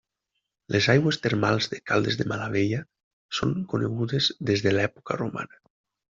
Les aigües termals de Caldes de Malavella són conegudes des de l’època romana.